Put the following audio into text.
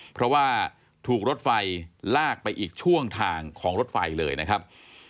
เพราะว่าถูกรถไฟลากไปอีกช่วงทางของรถไฟเลยนะครับ